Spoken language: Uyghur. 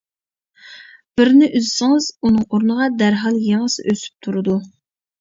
بىرنى ئۈزسىڭىز، ئۇنىڭ ئورنىغا دەرھال يېڭىسى ئۆسۈپ تۇرىدۇ.